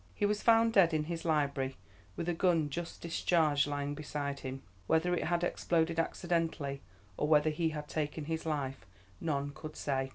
He was found dead in his library, with a gun just discharged lying beside him. Whether it had exploded accidentally, or whether he had taken his life, none could say.